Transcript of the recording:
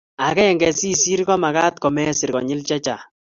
agenege si sir ko magat komesir konyil chechang